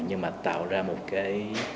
nhưng mà tạo ra một cái